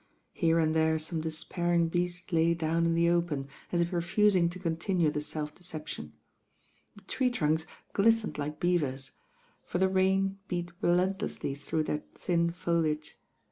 Here and there some despairing beast lay down in the 14 THE RAIN GIRL open, u if refuting to continue the lelf decepdon. Tlie tree trunks glittened like beavers; for the rtia beat relentlessly through their thin foliage.